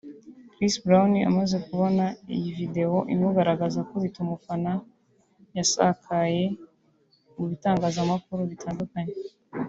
Chris Brown amaze kubona iyi video imugaragaza akubita umufana yasakaye mu bitangazamakuru bitandukanye